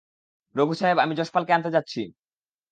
রঘু সাহেব, আমি যশপালকে আনতে যাচ্ছি।